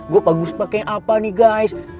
gue bagus pakai apa nih guys